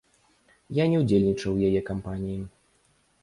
Я не ўдзельнічаў у яе кампаніі.